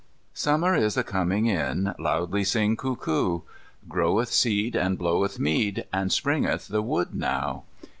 "Summer is a coming in, Loudly sing cuckoo. Groweth seed and bloweth mead, And springeth the wood now.